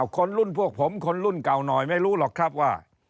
คนรุ่นพวกผมคนรุ่นเก่าหน่อยไม่รู้หรอกครับว่า